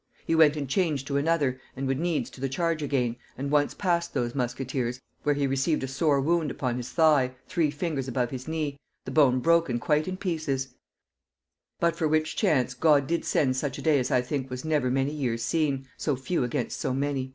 He went and changed to another, and would needs to the charge again, and once passed those musqueteers, where he received a sore wound upon his thigh, three fingers above his knee, the bone broken quite in pieces; but for which chance, God did send such a day as I think was never many years seen, so few against so many."